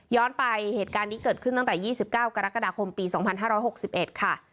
ไปเหตุการณ์นี้เกิดขึ้นตั้งแต่๒๙กรกฎาคมปี๒๕๖๑ค่ะ